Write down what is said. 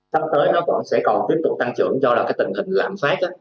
sắp tới nó vẫn sẽ còn tiếp tục tăng trưởng do là cái tình hình lãm phát